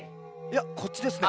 いやこっちです。